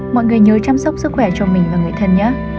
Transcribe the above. mọi người nhớ chăm sóc sức khỏe cho mình và người thân nhé